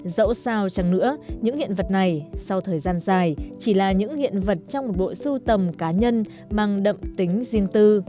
dẫu sao chẳng nữa những hiện vật này sau thời gian dài chỉ là những hiện vật trong một bộ sưu tầm cá nhân mang đậm tính riêng tư